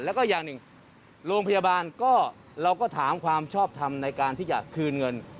แล้วก็อย่างหนึ่งโรงพยาบาลก็เราก็ถามความชอบทำในการที่จะคืนเงิน